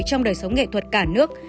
trong đời sống nghệ thuật cả nước